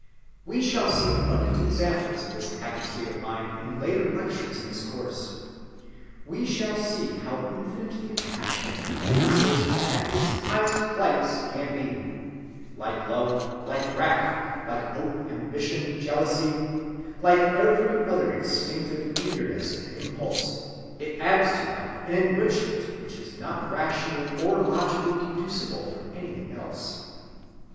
We shall see abundant examples of this happy state of mind in later lectures of this course. We shall see how infinitely passionate a thing religion at its highest flights can be. Like love, like wrath, like hope, ambition, jealousy, like every other instinctive eagerness and impulse, it adds to life an enchantment which is not rationally or logically deducible from anything else.